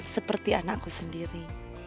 seperti anakku sendiri